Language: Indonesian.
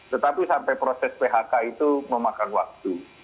tetapi sampai proses phk itu memakan waktu